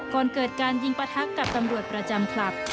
ก่อนเกิดการยิงประทักกับตำรวจประจำคลับ